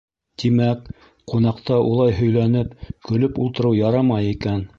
Тимәк, ҡунаҡта улай һөйләнеп, көлөп ултырыу ярамай икән.